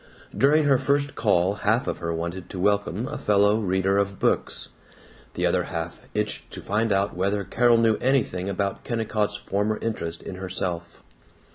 During her first call half of her wanted to welcome a fellow reader of books; the other half itched to find out whether Carol knew anything about Kennicott's former interest in herself.